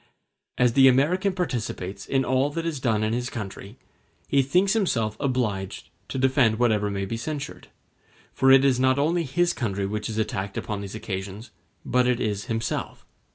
As the American participates in all that is done in his country, he thinks himself obliged to defend whatever may be censured; for it is not only his country which is attacked upon these occasions, but it is himself.